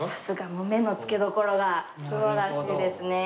もう目の付けどころが素晴らしいですね。